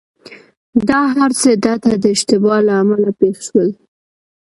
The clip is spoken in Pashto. دا هرڅه دده د اشتباه له امله پېښ شول.